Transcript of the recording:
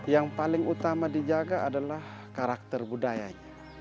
yang paling utama dijaga adalah karakter budayanya